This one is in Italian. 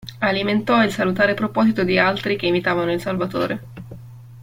Alimentò il salutare proposito di altri che imitavano il Salvatore.